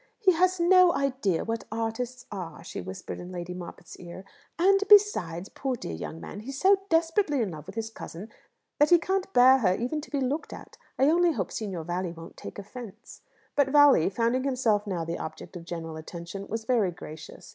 "He has no idea what artists are," she whispered in Lady Moppett's ear. "And, besides, poor dear young man, he's so desperately in love with his cousin that he can't bear her to be even looked at. I only hope Signor Valli won't take offence." But Valli, finding himself now the object of general attention, was very gracious.